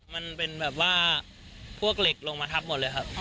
มันเป็นแบบว่าพวกเหล็กลงมาทับหมดเลยครับ